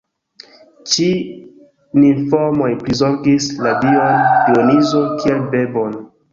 Ĉi nimfoj prizorgis la Dion Dionizo kiel bebon.